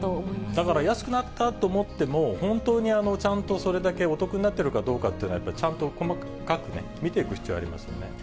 だから安くなったと思っても、本当にちゃんとそれだけお得になってるかどうかというのは、やっぱりちゃんと細かくね、見ていく必要がありますね。